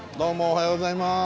おはようございます。